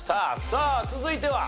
さあ続いては？